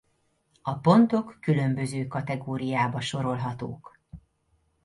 A pontok különböző kategóriába sorolhatók.